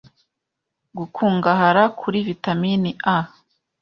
gukungahara kuri vitamin A